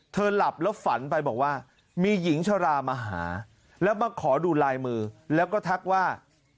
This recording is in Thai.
หลับแล้วฝันไปบอกว่ามีหญิงชรามาหาแล้วมาขอดูลายมือแล้วก็ทักว่า